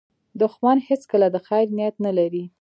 دښمن هیڅکله د خیر نیت نه لري